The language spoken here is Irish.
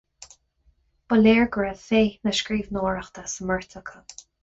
Ba léir go raibh féith na scríbhneoireachta sa mbeirt acu.